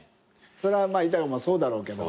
それは豊もそうだろうけど。